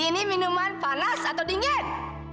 ini minuman panas atau dingin